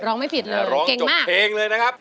ร้องไม่ผิดเลยเก่งมากร้องจบเพลงเลยนะครับ